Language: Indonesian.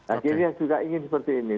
akhirnya juga ingin seperti ini